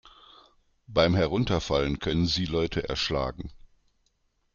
Beim Herunterfallen können sie Leute erschlagen.